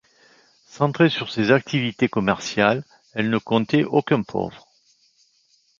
Centrée sur ces activités commerciales elle ne comptait aucun pauvre.